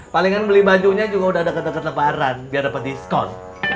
palingan beli bajunya juga udah deket deket lebaran biar dapet diskon